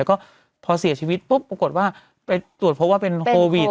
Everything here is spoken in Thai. แล้วก็พอเสียชีวิตปุ๊บปรากฏว่าไปตรวจเพราะว่าเป็นโควิด